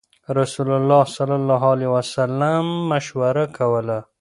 رسول الله صلی الله عليه وسلم مشوره کوله.